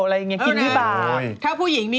อะไรอย่างนี้คิดดิบอด